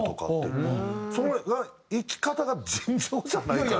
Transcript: それがいき方が尋常じゃないから。